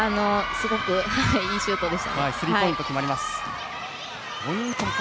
すごくいいシュートでした。